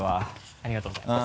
ありがとうございます。